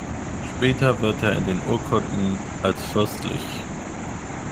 Später wird er in den Urkunden als „Fürstl.